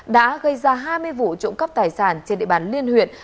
đã gây ra hai mươi vụ trộm cắp tài sản trên địa bàn liên huyện